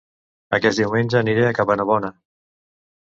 Aquest diumenge aniré a Cabanabona